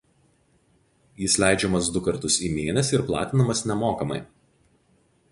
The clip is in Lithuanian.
Jis leidžiamas du kartus į mėnesį ir platinamas nemokamai.